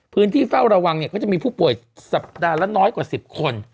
เฝ้าระวังเนี่ยก็จะมีผู้ป่วยสัปดาห์ละน้อยกว่า๑๐คน